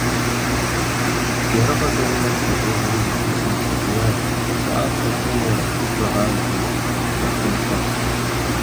ЖэрыгъэкӀэ унэм къэкӀуэжри и фызым щӀэкӀиящ: - ПщафӀэ фӀыуэ! Лы гъажьэ! Лэкъум щӀы!